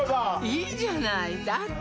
いいじゃないだって